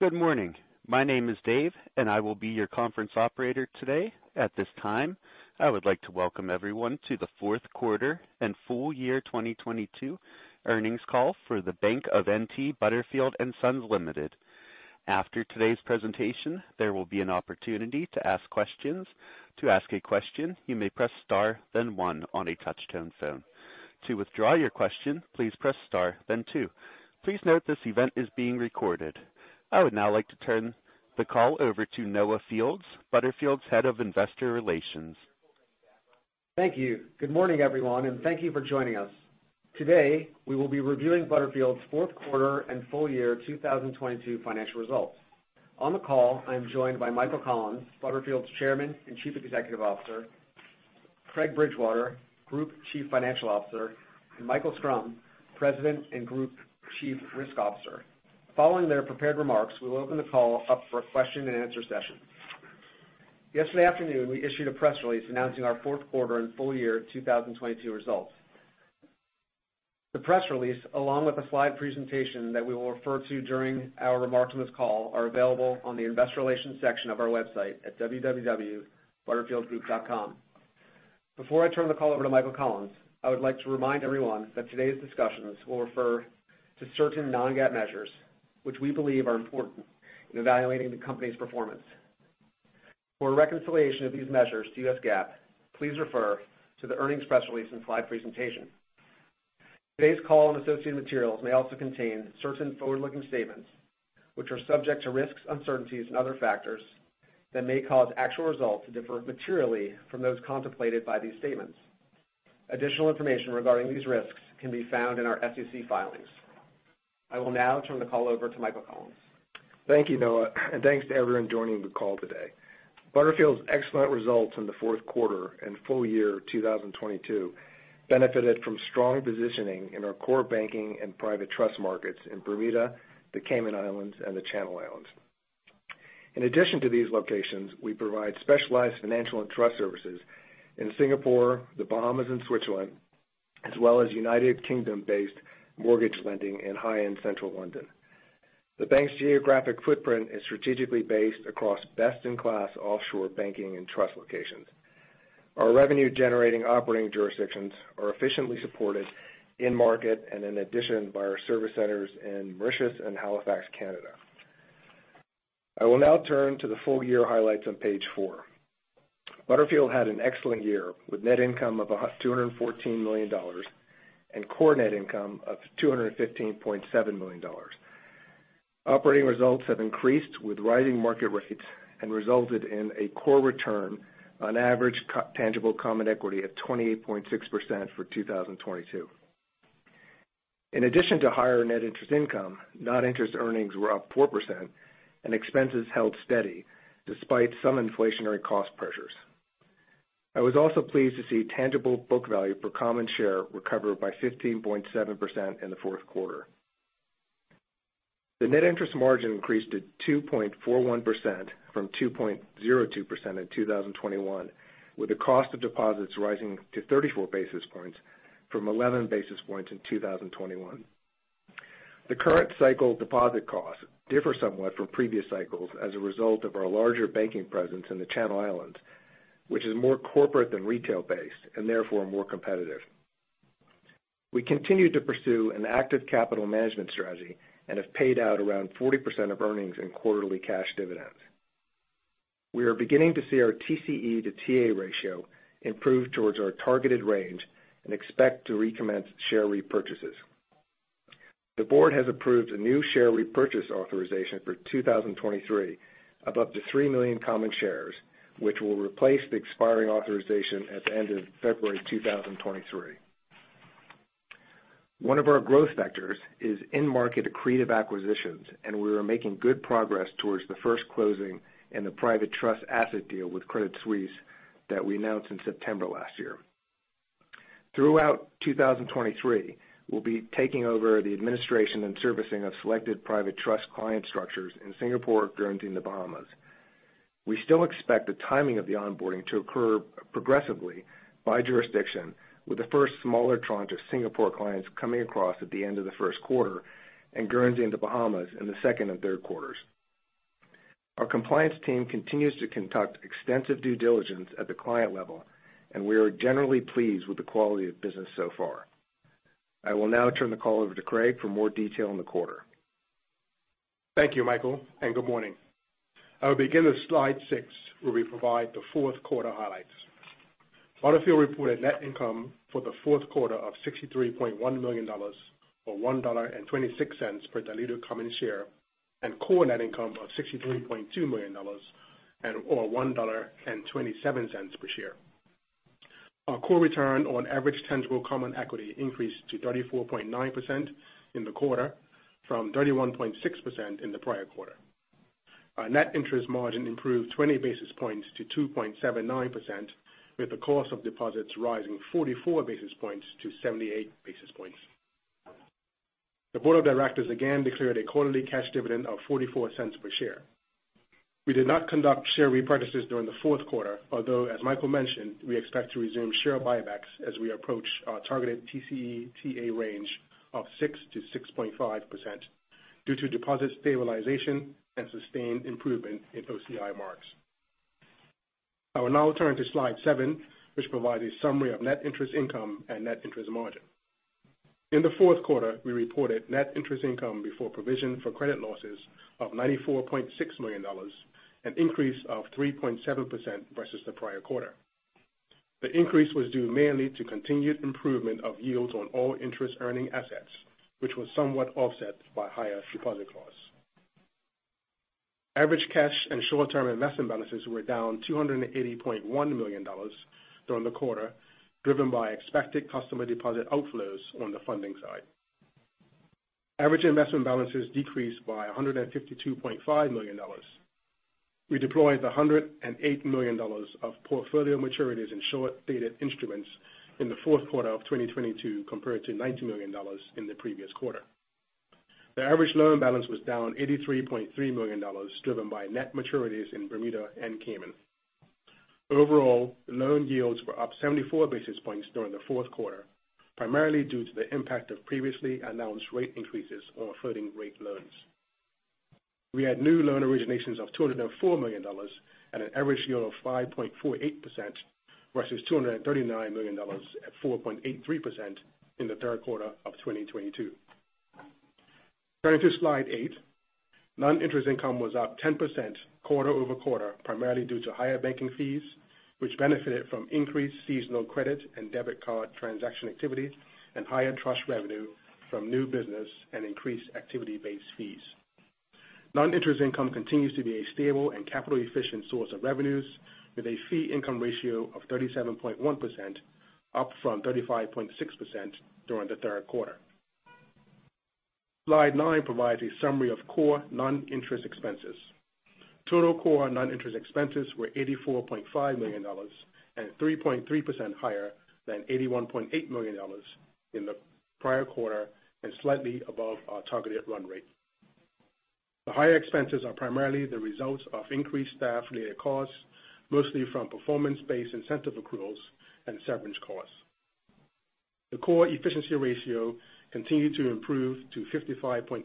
Good morning. My name is Dave, and I will be your conference operator today. At this time, I would like to welcome everyone to the fourth quarter and full year 2022 earnings call for The Bank of N.T. Butterfield & Son Limited. After today's presentation, there will be an opportunity to ask questions. To ask a question, you may press Star, then one on a touch-tone phone. To withdraw your question, please press Star, then two. Please note this event is being recorded. I would now like to turn the call over to Noah Fields, Butterfield's Head of Investor Relations. Thank you. Good morning, everyone, thank you for joining us. Today, we will be reviewing Butterfield's fourth quarter and full year 2022 financial results. On the call, I am joined by Michael Collins, Butterfield's Chairman and Chief Executive Officer, Craig Bridgewater, Group Chief Financial Officer, and Michael Schrum, President and Group Chief Risk Officer. Following their prepared remarks, we will open the call up for a question-and-answer session. Yesterday afternoon, we issued a press release announcing our fourth quarter and full year 2022 results. The press release, along with a slide presentation that we will refer to during our remarks on this call, are available on the investor relations section of our website at www.butterfieldgroup.com. Before I turn the call over to Michael Collins, I would like to remind everyone that today's discussions will refer to certain Non-GAAP measures which we believe are important in evaluating the company's performance. For a reconciliation of these measures to U.S. GAAP, please refer to the earnings press release and slide presentation. Today's call and associated materials may also contain certain forward-looking statements which are subject to risks, uncertainties and other factors that may cause actual results to differ materially from those contemplated by these statements. Additional information regarding these risks can be found in our SEC filings. I will now turn the call over to Michael Collins. Thank you, Noah, and thanks to everyone joining the call today. Butterfield's excellent results in the fourth quarter and full year 2022 benefited from strong positioning in our core banking and private trust markets in Bermuda, the Cayman Islands, and the Channel Islands. In addition to these locations, we provide specialized financial and trust services in Singapore, The Bahamas, and Switzerland, as well as United Kingdom-based mortgage lending in high-end central London. The bank's geographic footprint is strategically based across best-in-class offshore banking and trust locations. Our revenue-generating operating jurisdictions are efficiently supported in market and in addition by our service centers in Mauritius and Halifax, Canada. I will now turn to the full-year highlights on page four. Butterfield had an excellent year, with net income of $214 million and core net income of $215.7 million. Operating results have increased with rising market rates and resulted in a core return on average tangible common equity of 28.6% for 2022. In addition to higher net interest income, non-interest earnings were up 4% and expenses held steady despite some inflationary cost pressures. I was also pleased to see tangible book value per common share recover by 15.7% in the fourth quarter. The net interest margin increased to 2.41% from 2.02% in 2021, with the cost of deposits rising to 34 basis points from 11 basis points in 2021. The current cycle deposit costs differ somewhat from previous cycles as a result of our larger banking presence in the Channel Islands, which is more corporate than retail-based and therefore more competitive. We continue to pursue an active capital management strategy and have paid out around 40% of earnings in quarterly cash dividends. We are beginning to see our TCE to TA ratio improve towards our targeted range and expect to recommence share repurchases. The board has approved a new share repurchase authorization for 2023 of up to three million common shares, which will replace the expiring authorization at the end of February 2023. One of our growth vectors is in-market accretive acquisitions. We are making good progress towards the first closing in the private trust asset deal with Credit Suisse that we announced in September last year. Throughout 2023, we'll be taking over the administration and servicing of selected private trust client structures in Singapore, Guernsey, and The Bahamas. We still expect the timing of the onboarding to occur progressively by jurisdiction, with the first smaller tranche of Singapore clients coming across at the end of the first quarter and Guernsey and The Bahamas in the second and third quarters. Our compliance team continues to conduct extensive due diligence at the client level, and we are generally pleased with the quality of business so far. I will now turn the call over to Craig for more detail on the quarter. Thank you, Michael. Good morning. I will begin with slide six, where we provide the fourth quarter highlights. Butterfield reported net income for the fourth quarter of $63.1 million, or $1.26 per diluted common share, and core net income of $63.2 million, and or $1.27 per share. Our core return on average tangible common equity increased to 34.9% in the quarter from 31.6% in the prior quarter. Our net interest margin improved 20 basis points to 2.79%, with the cost of deposits rising 44 basis points to 78 basis points. The board of directors again declared a quarterly cash dividend of $0.44 per share. We did not conduct share repurchases during the fourth quarter, although as Michael mentioned, we expect to resume share buybacks as we approach our targeted TCE to TA range of 6%-6.5% due to deposit stabilization and sustained improvement in OCI marks. I will now turn to slide 7, which provides a summary of net interest income and net interest margin. In the fourth quarter, we reported net interest income before provision for credit losses of $94.6 million, an increase of 3.7% versus the prior quarter. The increase was due mainly to continued improvement of yields on all interest earning assets, which was somewhat offset by higher deposit costs. Average cash and short-term investment balances were down $280.1 million during the quarter, driven by expected customer deposit outflows on the funding side. Average investment balances decreased by $152.5 million. We deployed $108 million of portfolio maturities in short-dated instruments in the fourth quarter of 2022 compared to $90 million in the previous quarter. The average loan balance was down $83.3 million, driven by net maturities in Bermuda and Cayman. Overall, loan yields were up 74 basis points during the fourth quarter, primarily due to the impact of previously announced rate increases on floating-rate loans. We had new loan originations of $204 million at an average yield of 5.48% versus $239 million at 4.83% in the third quarter of 2022. Turning to slide 8. Non-interest income was up 10% quarter-over-quarter, primarily due to higher banking fees, which benefited from increased seasonal credit and debit card transaction activity and higher trust revenue from new business and increased activity-based fees. Non-interest income continues to be a stable and capital-efficient source of revenues with a fee income ratio of 37.1% up from 35.6% during the third quarter. Slide 9 provides a summary of core non-interest expenses. Total core non-interest expenses were $84.5 million and 3.3% higher than $81.8 million in the prior quarter and slightly above our targeted run rate. The higher expenses are primarily the results of increased staff-related costs, mostly from performance-based incentive accruals and severance costs. The core efficiency ratio continued to improve to 55.6%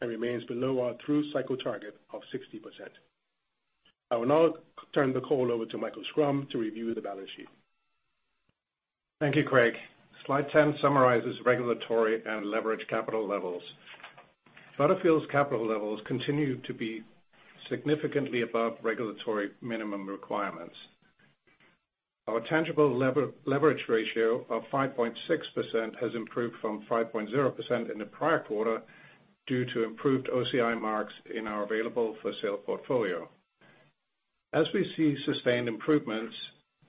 and remains below our through cycle target of 60%. I will now turn the call over to Michael Schrum to review the balance sheet. Thank you, Craig. Slide 10 summarizes regulatory and leverage capital levels. Butterfield's capital levels continue to be significantly above regulatory minimum requirements. Our tangible leverage ratio of 5.6% has improved from 5.0% in the prior quarter due to improved OCI marks in our available for sale portfolio. As we see sustained improvements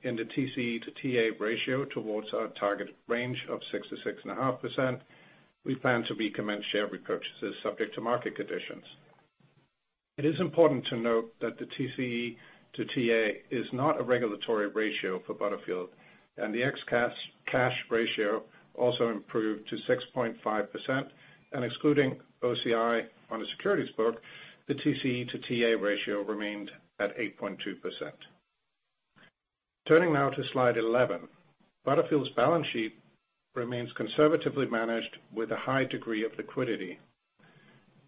in the TCE to TA ratio towards our target range of 6%-6.5%, we plan to recommence share repurchases subject to market conditions. It is important to note that the TCE to TA is not a regulatory ratio for Butterfield, the ex-cash ratio also improved to 6.5%. Excluding OCI on a securities book, the TCE to TA ratio remained at 8.2%. Turning now to slide 11. Butterfield's balance sheet remains conservatively managed with a high degree of liquidity.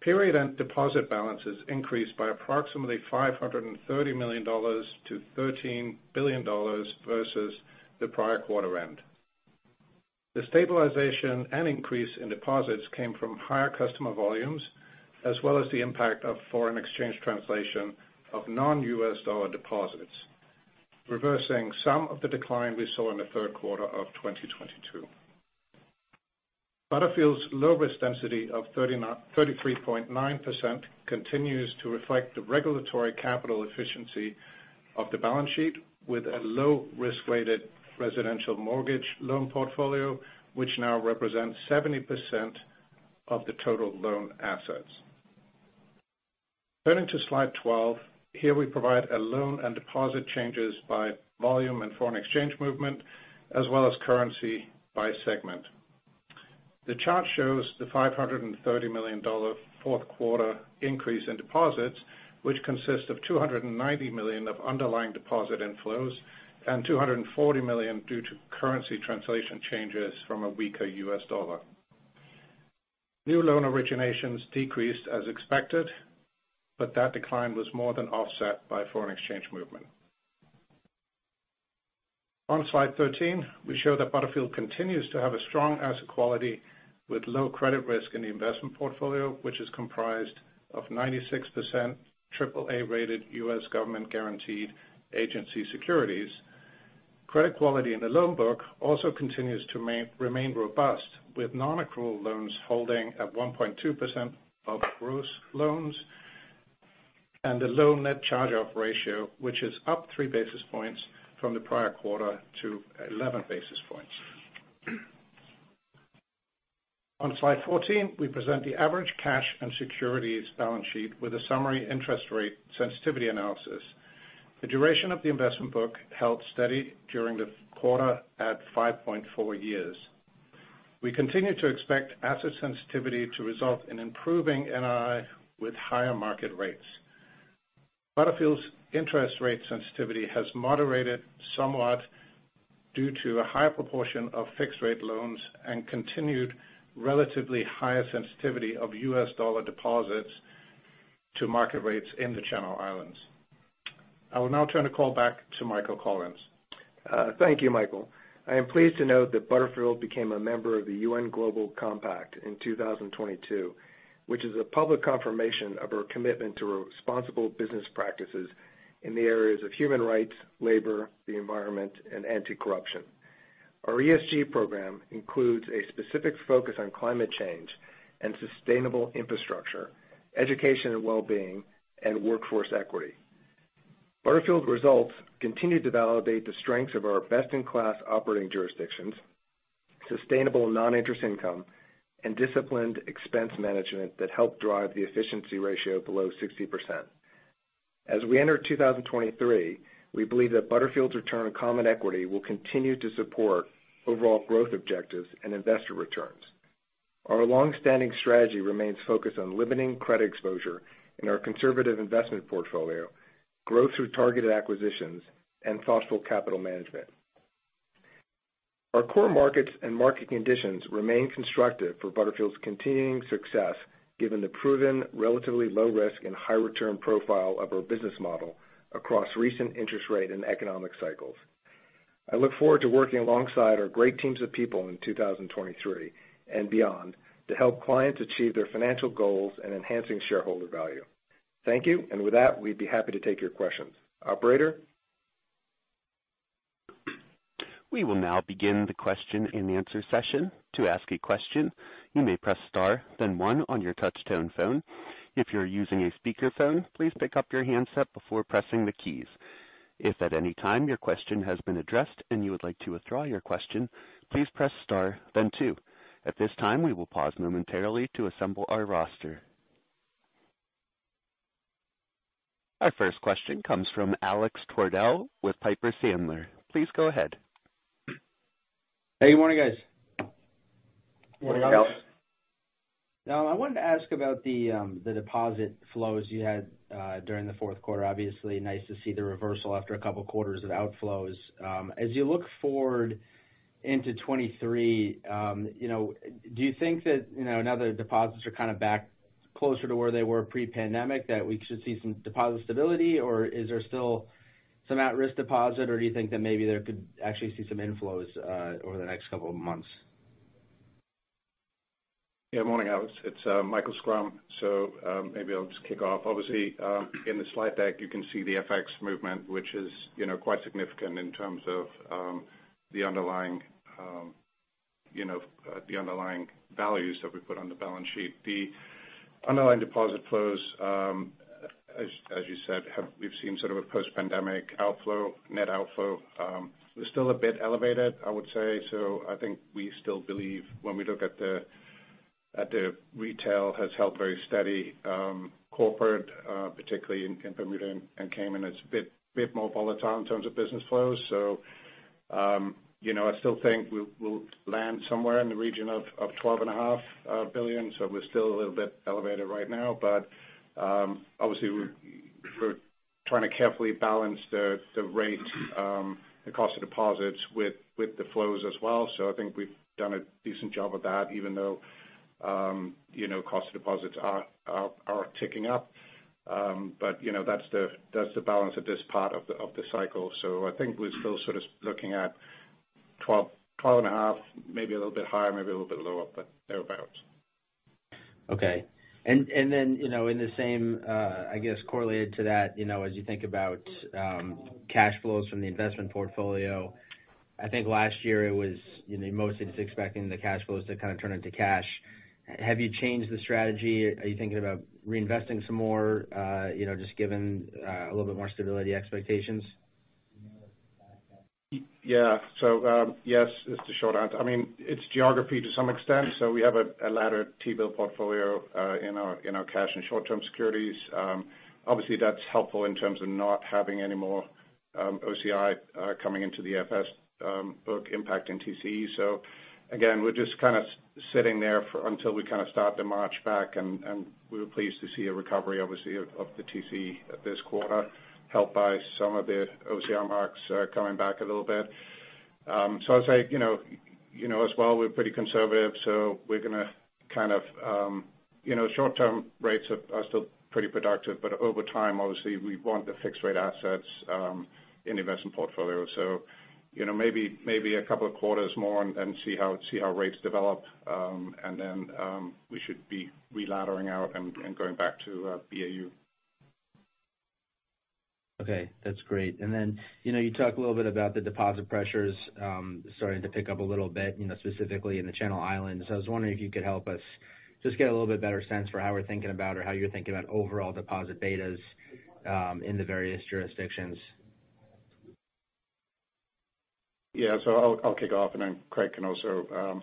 Period-end deposit balances increased by approximately $530 million to $13 billion versus the prior quarter end. The stabilization and increase in deposits came from higher customer volumes as well as the impact of foreign exchange translation of non-U.S. dollar deposits, reversing some of the decline we saw in the third quarter of 2022. Butterfield's low risk density of 33.9% continues to reflect the regulatory capital efficiency of the balance sheet with a low risk-weighted residential mortgage loan portfolio, which now represents 70% of the total loan assets. Turning to slide 12. Here we provide a loan and deposit changes by volume and foreign exchange movement as well as currency by segment. The chart shows the $530 million fourth quarter increase in deposits, which consist of $290 million of underlying deposit inflows and $240 million due to currency translation changes from a weaker U.S. dollar. New loan originations decreased as expected, but that decline was more than offset by foreign exchange movement. On slide 13, we show that Butterfield continues to have a strong asset quality with low credit risk in the investment portfolio, which is comprised of 96% AAA-rated U.S. government guaranteed agency securities. Credit quality in the loan book also continues to remain robust, with non-accrual loans holding at 1.2% of gross loans and a low net charge-off ratio, which is up three basis points from the prior quarter to 11 basis points. On slide 14, we present the average cash and securities balance sheet with a summary interest rate sensitivity analysis. The duration of the investment book held steady during the quarter at 5.4 years. We continue to expect asset sensitivity to result in improving NII with higher market rates. Butterfield's interest rate sensitivity has moderated somewhat due to a higher proportion of fixed rate loans and continued relatively higher sensitivity of U.S. dollar deposits to market rates in the Channel Islands. I will now turn the call back to Michael Collins. Thank you, Michael. I am pleased to note that Butterfield became a member of the UN Global Compact in 2022, which is a public confirmation of our commitment to responsible business practices in the areas of human rights, labor, the environment, and anti-corruption. Our ESG program includes a specific focus on climate change and sustainable infrastructure, education and well-being, and workforce equity. Butterfield results continue to validate the strengths of our best-in-class operating jurisdictions, sustainable non-interest income, and disciplined expense management that help drive the efficiency ratio below 60%. As we enter 2023, we believe that Butterfield's return on common equity will continue to support overall growth objectives and investor returns. Our long-standing strategy remains focused on limiting credit exposure in our conservative investment portfolio, growth through targeted acquisitions, and thoughtful capital management. Our core markets and market conditions remain constructive for Butterfield's continuing success given the proven relatively low risk and high return profile of our business model across recent interest rate and economic cycles. I look forward to working alongside our great teams of people in 2023 and beyond to help clients achieve their financial goals in enhancing shareholder value. Thank you. With that, we'd be happy to take your questions. Operator? We will now begin the question-and-answer session. To ask a question, you may press star then one on your touchtone phone. If you're using a speaker phone, please pick up your handset before pressing the keys. If at any time your question has been addressed and you would like to withdraw your question, please press star then two. At this time, we will pause momentarily to assemble our roster. Our first question comes from Alex Twerdahl with Piper Sandler. Please go ahead. Hey, good morning, guys. Good morning, Alex. Morning, Alex. I wanted to ask about the deposit flows you had during the fourth quarter. Obviously, nice to see the reversal after a couple of quarters of outflows. You look forward into 2023, you know, do you think that, you know, now that deposits are kinda back closer to where they were pre-pandemic, that we should see some deposit stability, or is there still some at-risk deposit, or do you think that maybe there could actually see some inflows over the next couple of months? Morning, Alex Twerdahl. It's Michael Schrum. Maybe I'll just kick off. Obviously, in the slide deck, you can see the FX movement, which is, you know, quite significant in terms of the underlying, you know, the underlying values that we put on the balance sheet. The underlying deposit flows, as you said, we've seen sort of a post-pandemic outflow, net outflow. They're still a bit elevated, I would say. I think we still believe when we look at the retail has held very steady. Corporate, particularly in Bermuda and Cayman, it's a bit more volatile in terms of business flows. You know, I still think we'll land somewhere in the region of $12.5 billion. We're still a little bit elevated right now. Obviously, we're trying to carefully balance the rate, the cost of deposits with the flows as well. I think we've done a decent job of that even though, you know, cost of deposits are ticking up. You know, that's the balance at this part of the cycle. I think we're still sort of looking at 12 and a half, maybe a little bit higher, maybe a little bit lower, but thereabouts. Okay. Then, you know, in the same, I guess, correlated to that, you know, as you think about cash flows from the investment portfolio, I think last year it was, you know, mostly just expecting the cash flows to kind of turn into cash. Have you changed the strategy? Are you thinking about reinvesting some more, you know, just given a little bit more stability expectations? Yeah. Yes, is the short answer. I mean, it's geography to some extent. We have a ladder T-bill portfolio in our cash and short-term securities. Obviously, that's helpful in terms of not having any more OCI coming into the AFS book impacting TCE. Again, we're just kind of sitting there until we kind of start the march back and we were pleased to see a recovery obviously of the TCE this quarter, helped by some of the OCI marks coming back a little bit. I'd say, you know, as well, we're pretty conservative, so we're gonna kind of. You know, short-term rates are still pretty productive, but over time, obviously, we want the fixed rate assets in the investment portfolio. You know, maybe a couple of quarters more and see how rates develop, and then we should be re-laddering out and going back to BAU. Okay, that's great. You know, you talked a little bit about the deposit pressures, starting to pick up a little bit, you know, specifically in the Channel Islands. I was wondering if you could help us just get a little bit better sense for how we're thinking about or how you're thinking about overall deposit betas in the various jurisdictions. Yeah. I'll kick off and then Craig can also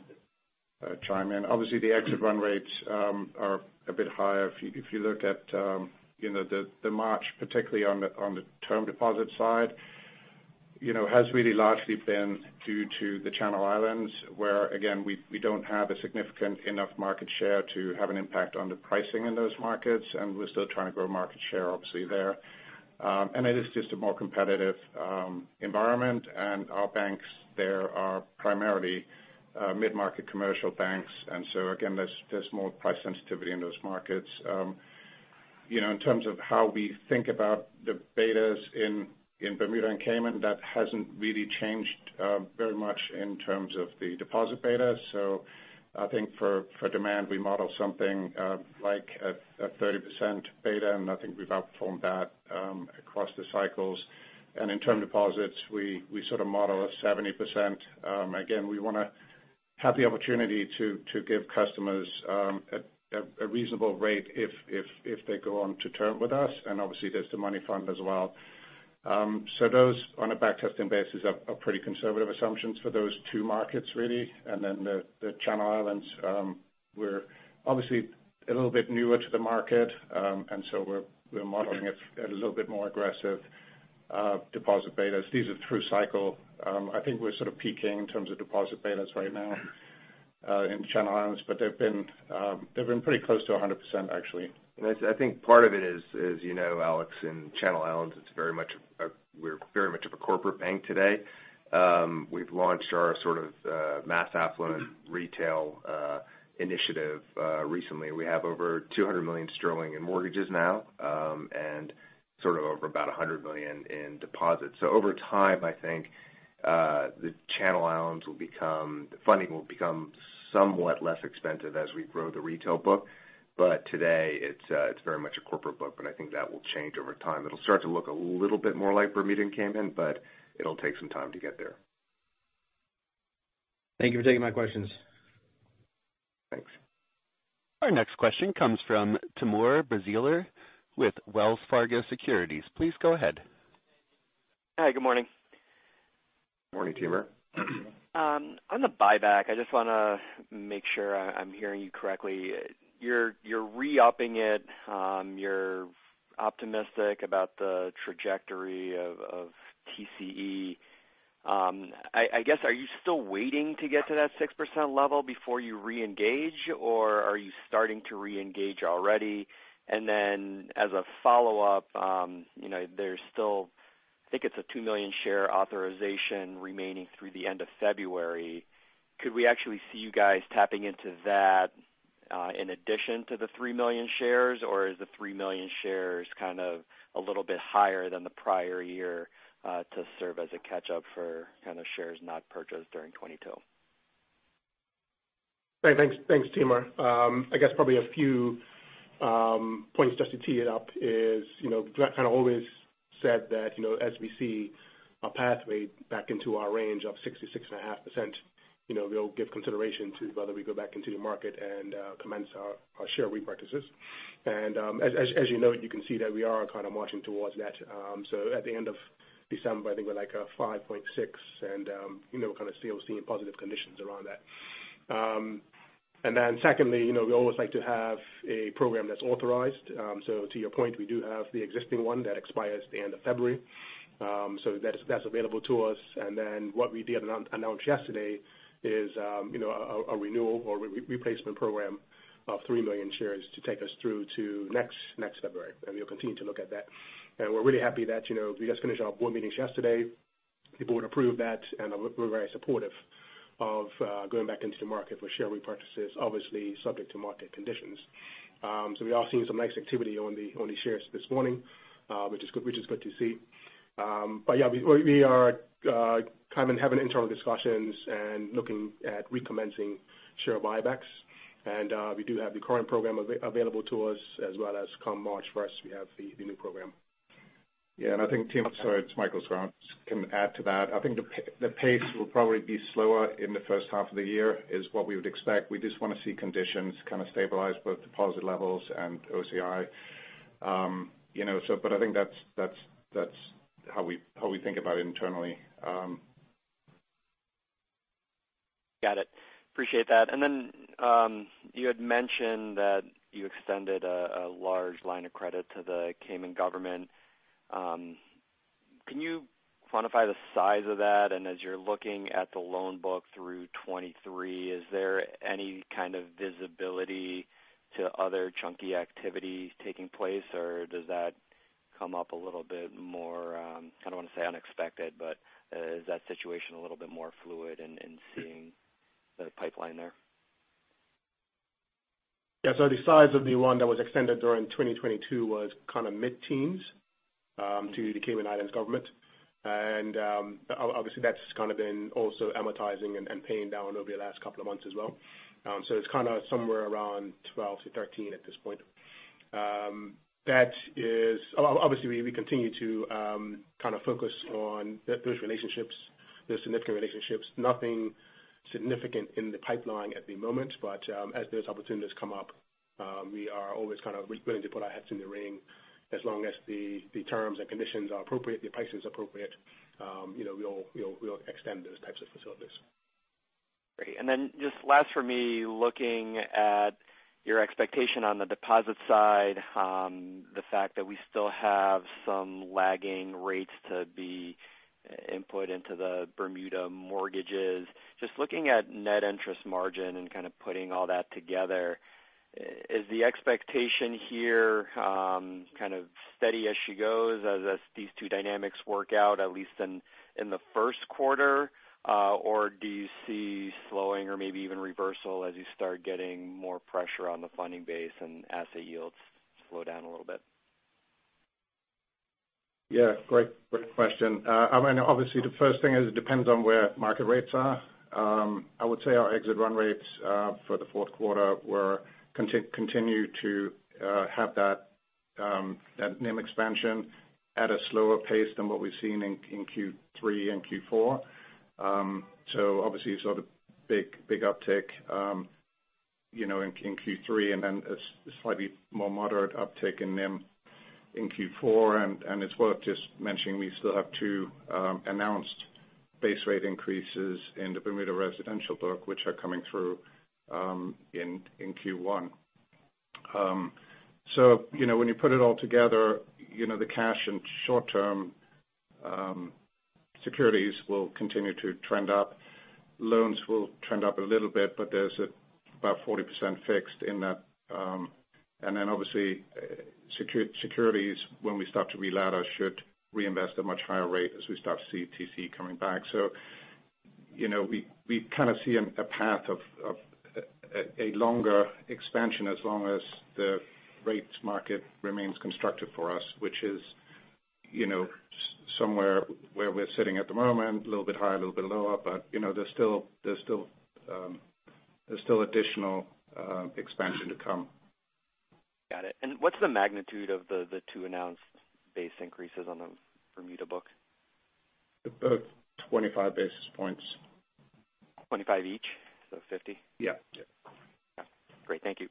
chime in. Obviously, the exit run rates are a bit higher if you, if you look at, you know, the march, particularly on the, on the term deposit side. You know, has really largely been due to the Channel Islands, where again, we don't have a significant enough market share to have an impact on the pricing in those markets, and we're still trying to grow market share obviously there. It is just a more competitive environment. Our banks there are primarily mid-market commercial banks, and so again, there's more price sensitivity in those markets. You know, in terms of how we think about the betas in Bermuda and Cayman, that hasn't really changed very much in terms of the deposit beta. I think for demand, we model something like a 30% beta, and I think we've outperformed that across the cycles. In term deposits, we sort of model a 70%. Again, we wanna have the opportunity to give customers a reasonable rate if they go on to term with us. Obviously there's the money fund as well. Those on a back testing basis are pretty conservative assumptions for those two markets really. Then the Channel Islands, we're obviously a little bit newer to the market. So we're modeling it at a little bit more aggressive deposit betas. These are through cycle. I think we're sort of peaking in terms of deposit betas right now in Channel Islands, but they've been pretty close to 100% actually. I think part of it is, you know, Alex Twerdahl, in Channel Islands, we're very much of a corporate bank today. We've launched our mass affluent retail initiative recently. We have over 200 million sterling in mortgages now, and over about 100 million in deposits. Over time, I think, the Channel Islands funding will become somewhat less expensive as we grow the retail book. Today it's very much a corporate book, but I think that will change over time. It'll start to look a little bit more like Bermuda and Cayman, but it'll take some time to get there. Thank you for taking my questions. Thanks. Our next question comes from Timur Braziler with Wells Fargo Securities. Please go ahead. Hi. Good morning. Morning, Timur. On the buyback, I just wanna make sure I'm hearing you correctly. You're re-upping it. You're optimistic about the trajectory of TCE. I guess, are you still waiting to get to that 6% level before you reengage, or are you starting to reengage already? As a follow-up, you know, there's still, I think it's a two million share authorization remaining through the end of February. Could we actually see you guys tapping into that in addition to the three million shares, or is the three million shares kind of a little bit higher than the prior year to serve as a catch up for kind of shares not purchased during 2022? Right. Thanks, Timur. I guess probably a few points just to tee it up is, you know, Jack kind of always said that, you know, as we see a pathway back into our range of 66.5%, you know, we'll give consideration to whether we go back into the market and commence our share repurchases. As you note, you can see that we are kind of marching towards that. So at the end of December, I think we're like 5.6 and, you know, we're kind of still seeing positive conditions around that. Secondly, you know, we always like to have a program that's authorized. So to your point, we do have the existing one that expires at the end of February. So that's available to us. What we did announce yesterday is, you know, a renewal or replacement program of 3 million shares to take us through to next February, and we'll continue to look at that. We're really happy that, you know, we just finished our board meetings yesterday. The board approved that, and we're very supportive of going back into the market for share repurchases, obviously subject to market conditions. We are seeing some nice activity on the shares this morning, which is good to see. Yeah, we are kind of having internal discussions and looking at recommencing share buybacks. We do have the current program available to us as well as come March 1st, we have the new program. Yeah, I think Timur Braziler, sorry, it's Michael Schrum, can add to that. I think the pace will probably be slower in the first half of the year is what we would expect. We just want to see conditions kind of stabilize both deposit levels and OCI. You know, I think that's how we think about it internally. Got it. Appreciate that. Then, you had mentioned that you extended a large line of credit to the Cayman government. Can you quantify the size of that? As you're looking at the loan book through 2023, is there any kind of visibility to other chunky activities taking place, or does that come up a little bit more, kind of wanna say unexpected, but, is that situation a little bit more fluid in seeing the pipeline there? The size of the one that was extended during 2022 was kind of mid-teens to the Cayman Islands government. Obviously, that's kind of been also amortizing and paying down over the last couple of months as well. It's kinda somewhere around $12-$13 at this point. That is. Obviously, we continue to kind of focus on those relationships, those significant relationships. Nothing significant in the pipeline at the moment, but as those opportunities come up, we are always kind of willing to put our heads in the ring as long as the terms and conditions are appropriate, the pricing is appropriate, you know, we'll extend those types of facilities. Great. Just last for me, looking at your expectation on the deposit side, the fact that we still have some lagging rates to be input into the Bermuda mortgages. Looking at net interest margin and kind of putting all that together, is the expectation here, kind of steady as she goes as these two dynamics work out, at least in the first quarter? Do you see slowing or maybe even reversal as you start getting more pressure on the funding base and asset yields slow down a little bit? Yeah, great. Good question. I mean, obviously the first thing is it depends on where market rates are. I would say our exit run rates for the fourth quarter were continue to have that that NIM expansion at a slower pace than what we've seen in Q3 and Q4. Obviously you saw the big uptick, you know, in Q3 and then a slightly more moderate uptick in NIM in Q4. It's worth just mentioning, we still have two announced base rate increases in the Bermuda residential book, which are coming through in Q1. You know, when you put it all together, you know, the cash and short-term securities will continue to trend up. Loans will trend up a little bit, but there's about 40% fixed in that. obviously, securities, when we start to re-ladder, should reinvest at a much higher rate as we start to see TC coming back. you know, we kind of see a path of a longer expansion as long as the rates market remains constructive for us, which is, you know, somewhere where we're sitting at the moment, a little bit higher, a little bit lower, there's still additional expansion to come. Got it. What's the magnitude of the two announced base increases on the Bermuda book? 25 basis points. $25 each? $50? Yeah. Yeah. Yeah. Great. Thank you.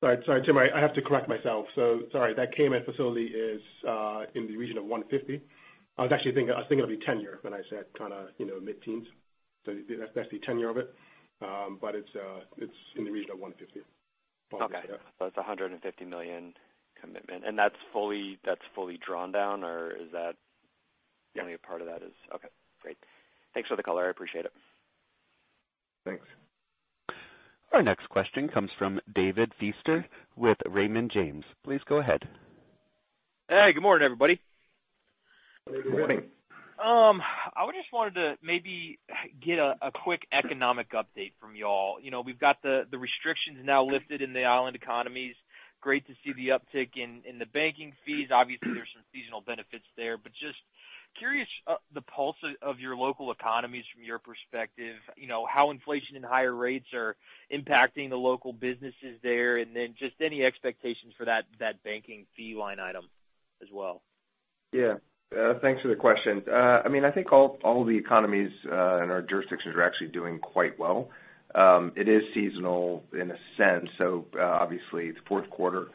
Sorry. Sorry, Tim, I have to correct myself. Sorry. That Cayman facility is in the region of $150. I was actually thinking it'd be tenure when I said kind of, you know, mid-teens. That's basically tenure of it. But it's in the region of $150. Okay. It's a $150 million commitment, and that's fully drawn down or is that? Yeah. Only a part of that is... Okay, great. Thanks for the color. I appreciate it. Thanks. Our next question comes from David Feaster with Raymond James. Please go ahead. Hey, good morning, everybody. Good morning. I just wanted to maybe get a quick economic update from y'all. You know, we've got the restrictions now lifted in the island economies. Great to see the uptick in the banking fees. Obviously, there's some seasonal benefits there. Just curious, the pulse of your local economies from your perspective, you know, how inflation and higher rates are impacting the local businesses there, and then just any expectations for that banking fee line item as well. Yeah. Thanks for the question. I mean, I think all the economies in our jurisdictions are actually doing quite well. It is seasonal in a sense, so obviously the fourth quarter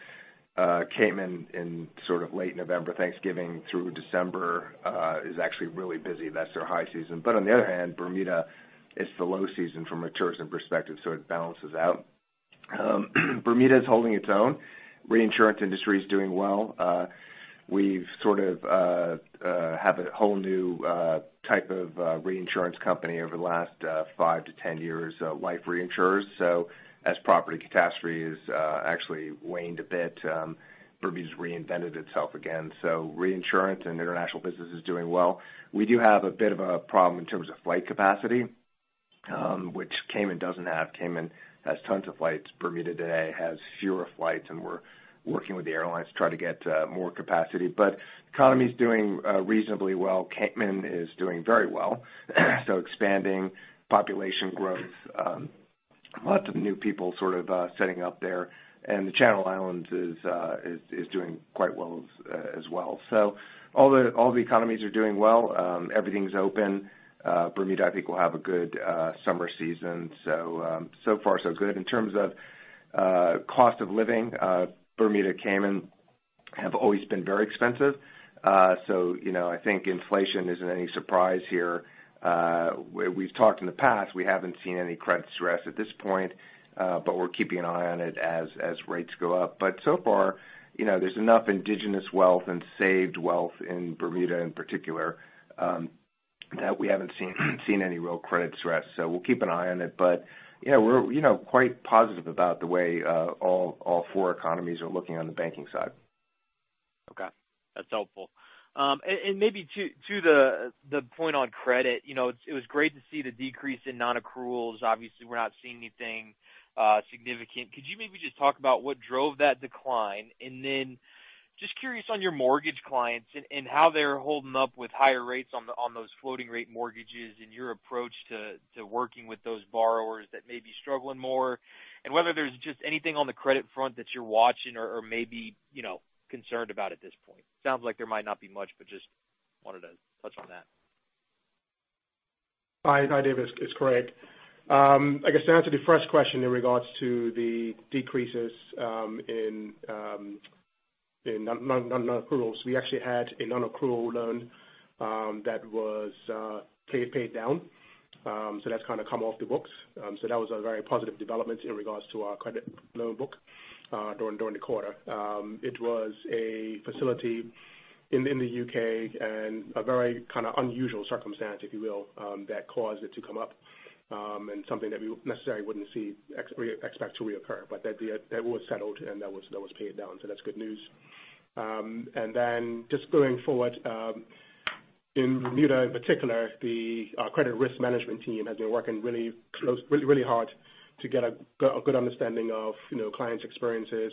came in sort of late November. Thanksgiving through December is actually really busy. That's their high season. On the other hand, Bermuda is the low season from a tourism perspective, so it balances out. Bermuda is holding its own. Reinsurance industry is doing well. We've sort of have a whole new type of reinsurance company over the last five to 10 years, life reinsurers. As property catastrophe has actually waned a bit, Bermuda's reinvented itself again. Reinsurance and international business is doing well. We do have a bit of a problem in terms of flight capacity, which Cayman doesn't have. Cayman has tons of flights. Bermuda today has fewer flights. We're working with the airlines to try to get more capacity. The economy's doing reasonably well. Cayman is doing very well, expanding population growth. Lots of new people sort of setting up there. The Channel Islands is doing quite well as well. All the economies are doing well. Everything's open. Bermuda, I think, will have a good summer season. Far so good. In terms of cost of living, Bermuda, Cayman have always been very expensive. You know, I think inflation isn't any surprise here. We've talked in the past, we haven't seen any credit stress at this point, but we're keeping an eye on it as rates go up. So far, you know, there's enough indigenous wealth and saved wealth in Bermuda in particular, that we haven't seen any real credit stress. We'll keep an eye on it. You know, we're, you know, quite positive about the way all four economies are looking on the banking side. Okay. That's helpful. And maybe to the point on credit, you know, it was great to see the decrease in non-accruals. Obviously, we're not seeing anything significant. Could you maybe just talk about what drove that decline? Then just curious on your mortgage clients and how they're holding up with higher rates on those floating rate mortgages and your approach to working with those borrowers that may be struggling more, and whether there's just anything on the credit front that you're watching or may be, you know, concerned about at this point? Sounds like there might not be much, but just wanted to touch on that. Hi. Hi, David. It's Craig. I guess to answer the first question in regards to the decreases, in. In non-accruals, we actually had a non-accrual loan that was paid down. That's kind of come off the books. That was a very positive development in regards to our credit loan book during the quarter. It was a facility in the UK and a very kind of unusual circumstance, if you will, that caused it to come up, and something that we necessarily wouldn't see or expect to reoccur. That was settled, and that was paid down, so that's good news. Just going forward, in Bermuda in particular, our credit risk management team has been working really close, really hard to get a good understanding of, you know, clients' experiences,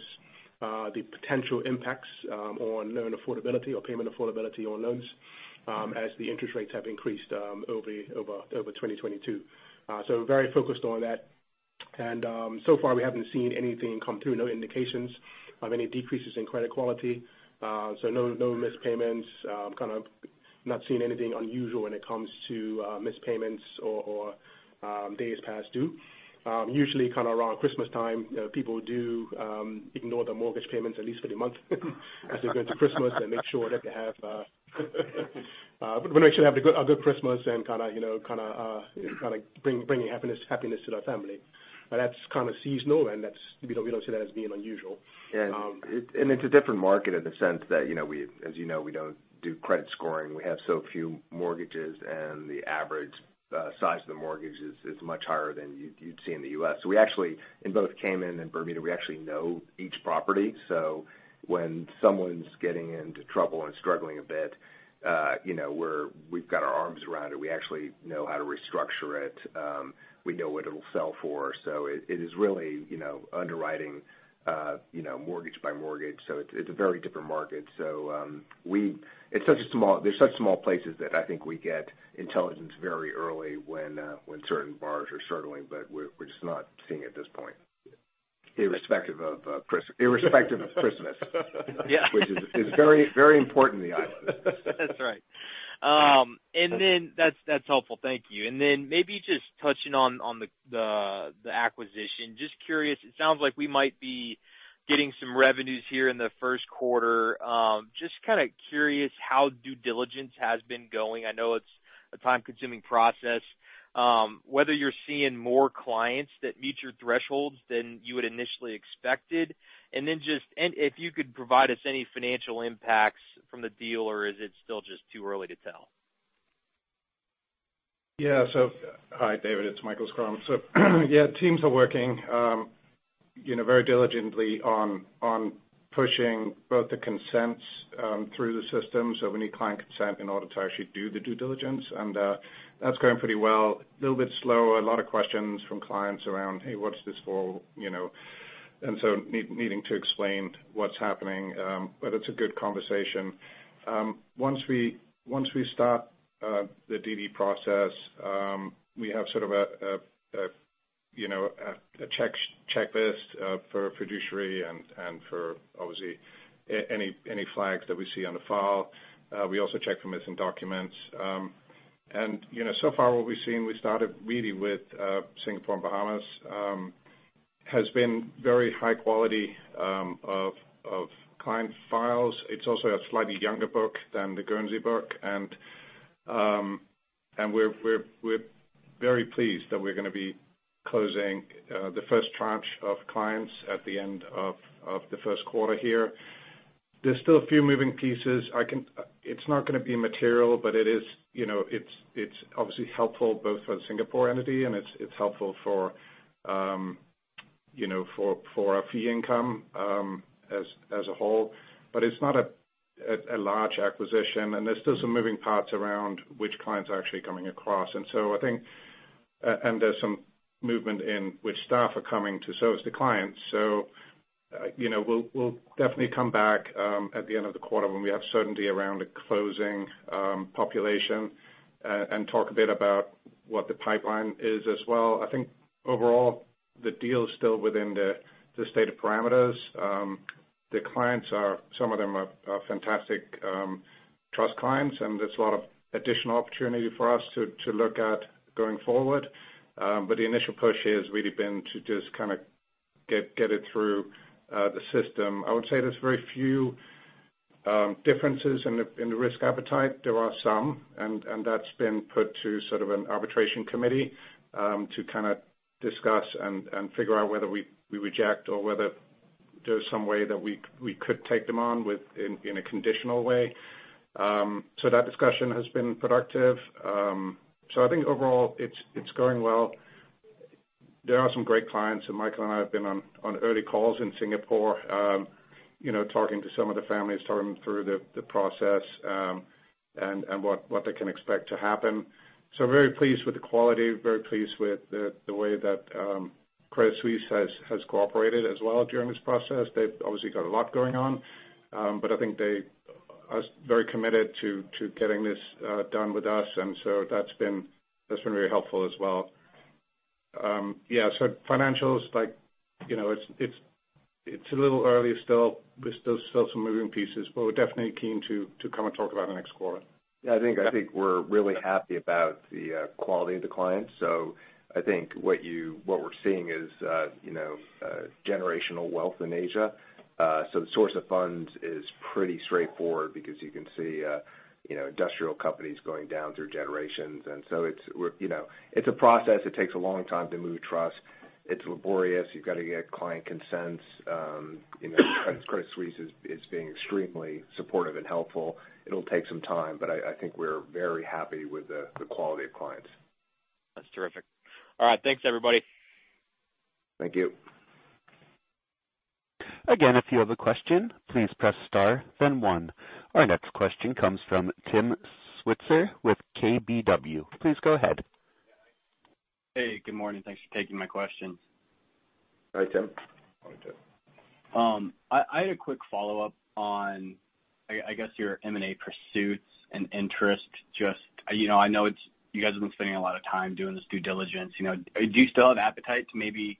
the potential impacts, on loan affordability or payment affordability on loans, as the interest rates have increased, over 2022. Very focused on that. So far we haven't seen anything come through, no indications of any decreases in credit quality. No missed payments, kind of not seen anything unusual when it comes to missed payments or days past due. Usually kind of around Christmas time, people do ignore their mortgage payments at least for the month as they go into Christmas and wanna make sure they have a good Christmas and kinda, you know, kinda bringing happiness to their family. That's kind of seasonal, and that's, we don't see that as being unusual. Yeah. It's a different market in the sense that, you know, we, as you know, we don't do credit scoring. We have so few mortgages, and the average size of the mortgage is much higher than you'd see in the U.S. We actually, in both Cayman and Bermuda, we actually know each property. When someone's getting into trouble and struggling a bit, you know, we've got our arms around it. We actually know how to restructure it. We know what it'll sell for. It, it is really, you know, underwriting, you know, mortgage by mortgage, so it's a very different market. It's such small places that I think we get intelligence very early when certain borrowers are struggling, but we're just not seeing it at this point. Yeah. Irrespective of Christmas. Yeah. Is very, very important in the islands. That's right. That's helpful. Thank you. Maybe just touching on the acquisition. Just curious, it sounds like we might be getting some revenues here in the first quarter. just kinda curious how due diligence has been going. I know it's a time-consuming process. whether you're seeing more clients that meet your thresholds than you had initially expected. If you could provide us any financial impacts from the deal, or is it still just too early to tell? Hi David, it's Michael Schrum. Teams are working, you know, very diligently on pushing both the consents through the system, so we need client consent in order to actually do the due diligence. That's going pretty well. Little bit slow. A lot of questions from clients around, "Hey, what's this for?" You know. Needing to explain what's happening. It's a good conversation. Once we start the DD process, we have sort of a check-checklist for fiduciary and for, obviously, any flags that we see on the file. We also check for missing documents. You know, so far what we've seen, we started really with Singapore and Bahamas, has been very high quality of client files. It's also a slightly younger book than the Guernsey book, and we're very pleased that we're gonna be closing the first tranche of clients at the end of the first quarter here. There's still a few moving pieces. It's not gonna be material, but it is, you know, it's obviously helpful both for the Singapore entity, and it's helpful for, you know, for our fee income as a whole. It's not a large acquisition, and there's still some moving parts around which clients are actually coming across. I think, and there's some movement in which staff are coming to service the clients. You know, we'll definitely come back at the end of the quarter when we have certainty around the closing population and talk a bit about what the pipeline is as well. I think overall, the deal is still within the stated parameters. The clients are some of them are fantastic trust clients, and there's a lot of additional opportunity for us to look at going forward. The initial push here has really been to just kinda get it through the system. I would say there's very few differences in the risk appetite. There are some, and that's been put to sort of an arbitration committee, to kind of discuss and figure out whether we reject or whether there's some way that we could take them on in a conditional way. That discussion has been productive. I think overall it's going well. There are some great clients, Michael and I have been on early calls in Singapore, you know, talking to some of the families, talking them through the process, and what they can expect to happen. Very pleased with the quality, very pleased with the way that Credit Suisse has cooperated as well during this process. They've obviously got a lot going on. I think they are very committed to getting this done with us. That's been very helpful as well. Yeah, financials, like, you know, it's a little early still. There's still some moving pieces. We're definitely keen to come and talk about it next quarter. I think we're really happy about the quality of the clients. I think what we're seeing is, you know, generational wealth in Asia. The source of funds is pretty straightforward because you can see, you know, industrial companies going down through generations. We're, you know, it's a process. It takes a long time to move trust. It's laborious. You've got to get client consents. You know, Credit Suisse is being extremely supportive and helpful. It'll take some time, I think we're very happy with the quality of clients. That's terrific. All right. Thanks, everybody. Thank you. Again, if you have a question, please press star then one. Our next question comes from Tim Switzer with KBW. Please go ahead. Hey, good morning. Thanks for taking my questions. Hi, Tim. Morning, Tim. I had a quick follow-up on, I guess your M&A pursuits and interest. You know, you guys have been spending a lot of time doing this due diligence. You know, do you still have appetite to maybe,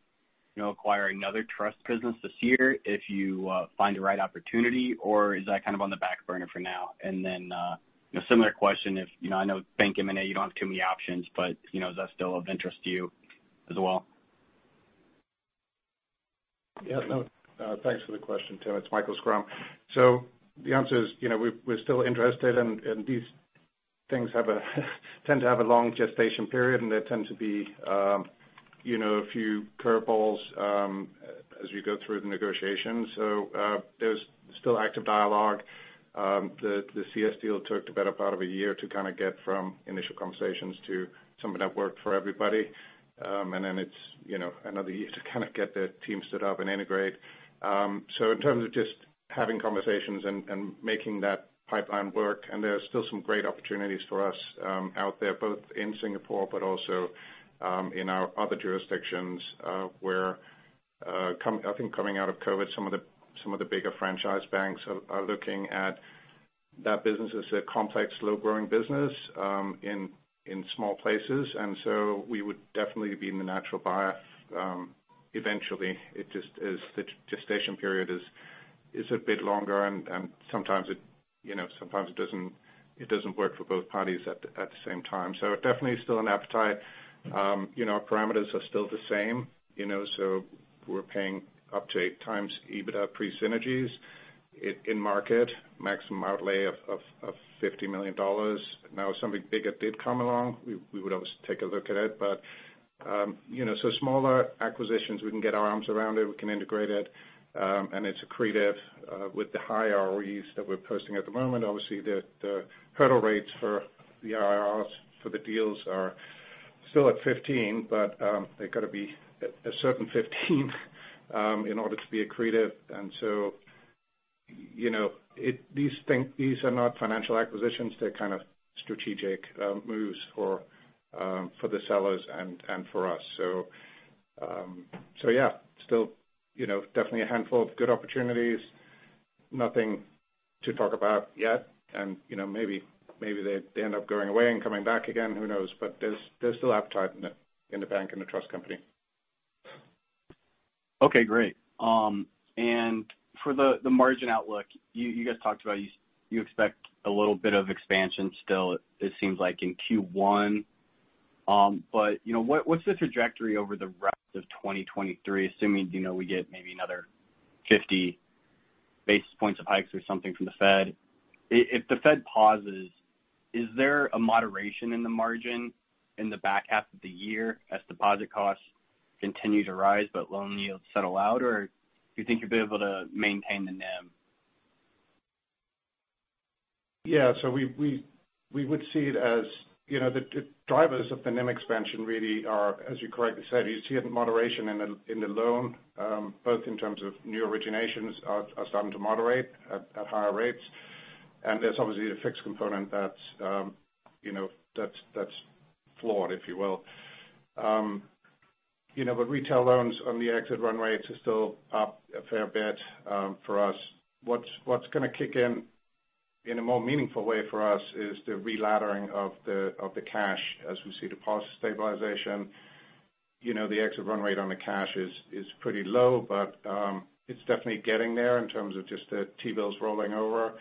you know, acquire another trust business this year if you find the right opportunity? Or is that kind of on the back burner for now? You know, similar question, if, you know, I know bank M&A, you don't have too many options, but, you know, is that still of interest to you as well? Yeah. No, thanks for the question, Tim. It's Michael Schrum. The answer is, you know, we're still interested and these things have a tend to have a long gestation period, and they tend to be, you know, a few curveballs as you go through the negotiations. There's still active dialogue. The CS deal took the better part of a year to kind of get from initial conversations to something that worked for everybody. It's, you know, another year to kind of get the team stood up and integrate. In terms of just having conversations and making that pipeline work, there are still some great opportunities for us out there, both in Singapore but also in our other jurisdictions, where I think coming out of COVID, some of the bigger franchise banks are looking at that business as a complex, slow-growing business in small places. We would definitely be the natural buyer eventually. It just is the gestation period is a bit longer and sometimes it, you know, sometimes it doesn't work for both parties at the same time. Definitely still an appetite. You know, our parameters are still the same, you know, we're paying up to 8x EBITDA pre synergies in market, maximum outlay of $50 million. If something bigger did come along, we would always take a look at it. You know, so smaller acquisitions, we can get our arms around it, we can integrate it, and it's accretive with the high ROEs that we're posting at the moment. Obviously, the hurdle rates for the IRRs for the deals are still at 15, but they've got to be a certain 15 in order to be accretive. You know, these things, these are not financial acquisitions. They're kind of strategic moves for the sellers and for us. Yeah, still, you know, definitely a handful of good opportunities. Nothing to talk about yet. You know, maybe they end up going away and coming back again. Who knows? There's still appetite in the bank and the trust company. Okay, great. For the margin outlook, you guys talked about you expect a little bit of expansion still, it seems like in Q1. You know, what's the trajectory over the rest of 2023 assuming, you know, we get maybe another 50 basis points of hikes or something from the Fed? If the Fed pauses, is there a moderation in the margin in the back half of the year as deposit costs continue to rise but loan yields settle out? Do you think you'll be able to maintain the NIM? We would see it as, you know, the drivers of the NIM expansion really are, as you correctly said, you see a moderation in the loan, both in terms of new originations are starting to moderate at higher rates. There's obviously a fixed component that's, you know, that's flawed, if you will. You know, retail loans on the exit run rates are still up a fair bit for us. What's gonna kick in in a more meaningful way for us is the re-laddering of the cash as we see deposit stabilization. You know, the exit run rate on the cash is pretty low, but it's definitely getting there in terms of just the T-bills rolling over.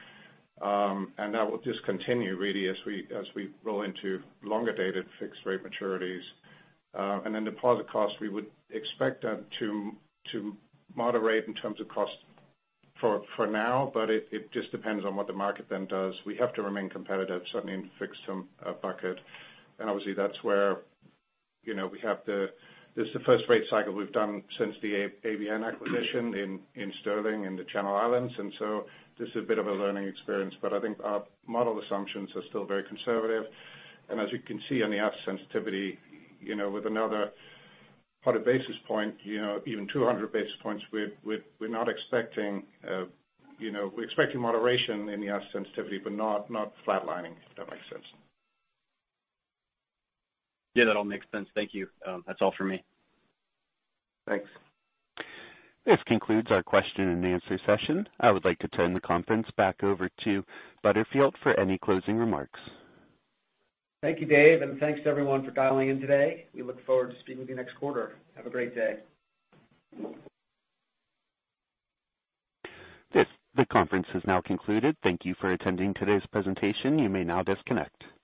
That will just continue really as we, as we roll into longer dated fixed rate maturities. Then deposit costs, we would expect that to moderate in terms of cost for now, but it just depends on what the market then does. We have to remain competitive, certainly in fixed term, bucket. Obviously that's where, you know, this is the first rate cycle we've done since the ABN acquisition in Sterling, in the Channel Islands. So this is a bit of a learning experience. I think our model assumptions are still very conservative. As you can see on the asset sensitivity, you know, with another 100 basis point, you know, even 200 basis points, we're not expecting, you know, we're expecting moderation in the asset sensitivity, but not flatlining, if that makes sense. Yeah, that all makes sense. Thank you. That's all for me. Thanks. This concludes our question and answer session. I would like to turn the conference back over to Butterfield for any closing remarks. Thank you, Dave. Thanks to everyone for dialing in today. We look forward to speaking with you next quarter. Have a great day. The conference is now concluded. Thank you for attending today's presentation. You may now disconnect.